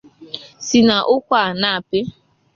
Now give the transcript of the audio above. sị na ụkwa a na-apị